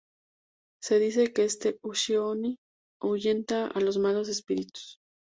Se dice que este Ushi-oni ahuyenta a los malos espíritus.